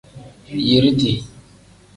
Yiriti.